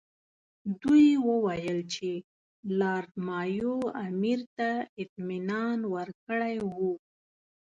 دوی وویل چې لارډ مایو امیر ته اطمینان ورکړی وو.